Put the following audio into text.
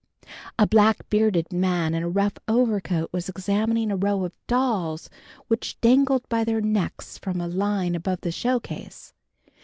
A black bearded man in a rough overcoat was examining a row of dolls which dangled by their necks from a line above the show case.